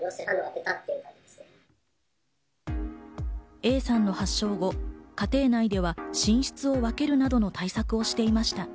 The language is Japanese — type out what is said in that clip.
Ａさんの発症後、家庭内では寝室を分けるなどの対策をしていました。